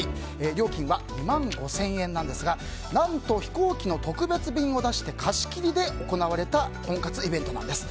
料金は２万５０００円なんですが何と、飛行機の特別便を出して貸し切りで行われた婚活イベントなんです。